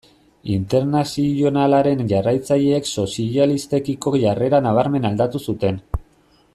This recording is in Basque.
Internazionalaren jarraitzaileek sozialistekiko jarrera nabarmen aldatu zuten.